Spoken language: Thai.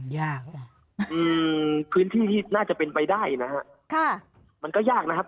ยากอืมพื้นที่ที่น่าจะเป็นไปได้นะฮะค่ะมันก็ยากนะครับ